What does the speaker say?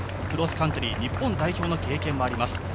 クロスカントリー日本代表の経験もあります。